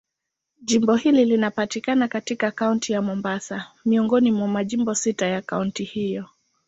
Jimbo hili linapatikana katika Kaunti ya Mombasa, miongoni mwa majimbo sita ya kaunti hiyo.